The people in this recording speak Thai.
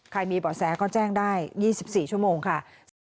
มีบ่อแสก็แจ้งได้๒๔ชั่วโมงค่ะ